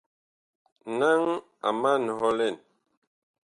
Naŋ a man hɔ lɛn.